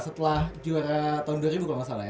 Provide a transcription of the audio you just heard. setelah juara tahun dua ribu kalau nggak salah ya